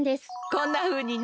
こんなふうにね。